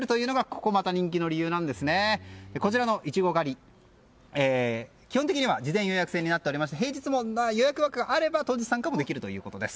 こちらのイチゴ狩り基本的には事前予約制になっていまして平日も予約が空いていれば参加ができるということです。